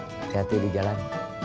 hati hati di jalan